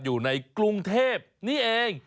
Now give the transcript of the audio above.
อยู่ในกรุงเทพนี่เอง